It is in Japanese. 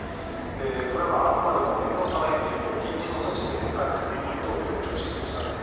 これは、あくまでも念のため臨時の措置であるということを強調していました。